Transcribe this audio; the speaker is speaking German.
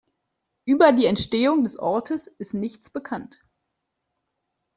Über die Entstehung des Ortes ist nichts bekannt.